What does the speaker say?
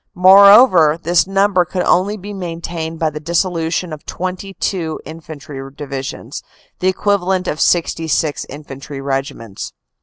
Moreover, this number could only be maintained by the dissolution of twenty two in fantry divisions, the equivalent of sixty six infantry regiments.